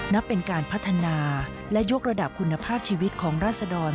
นับเป็นการพัฒนาและยกระดับคุณภาพชีวิตของราศดร